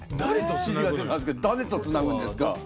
指示が出たんですけど誰とつなぐんですか？